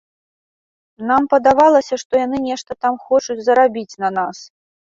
Нам падавалася, што яны нешта там хочуць зарабіць на нас.